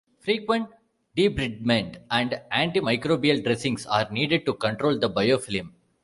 Frequent debridement and antimicrobial dressings are needed to control the biofilm.